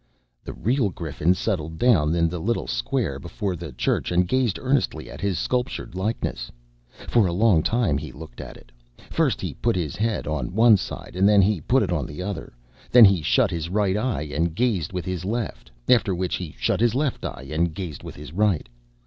The real Griffin settled down in the little square before the church and gazed earnestly at his sculptured likeness. For a long time he looked at it. First he put his head on one side, and then he put it on the other; then he shut his right eye and gazed with his left, after which he shut his left eye and gazed with his right.